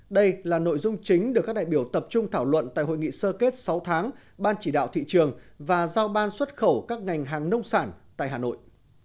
đây là nội dung chính được các đại biểu tập trung thảo luận tại hội nghị sơ kết sáu tháng ban chỉ đạo thị trường và giao ban xuất khẩu các ngành hàng nông sản tại hà nội